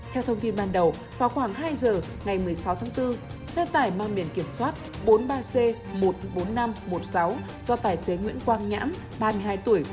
theo thông tin ban đầu vào khoảng hai giờ ngày một mươi sáu tháng bốn xe tải mang biển kiểm soát bốn mươi ba c một mươi bốn nghìn năm trăm một mươi sáu do tài xế nguyễn quang nhãn ba mươi hai tuổi